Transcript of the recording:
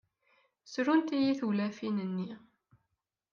Ssrunt-iyi tewlafin-nni.